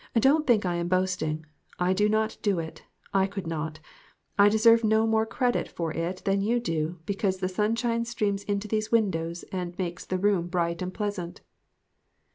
Don't think I am boasting. I do not do it ; I could not. I deserve no more credit for it than you do because the sunshine streams into these windows and makes the room bright and pleasant."